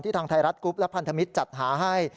ทางไทยรัฐกรุ๊ปและพันธมิตรจัดหาให้